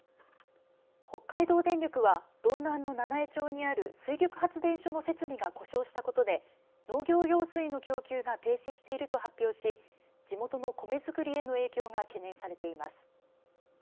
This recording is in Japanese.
北海道電力は道南の七飯町にある水力発電所の設備が故障したことで農業用水の供給が停止していると発表し地元の米作りへの影響が懸念されています。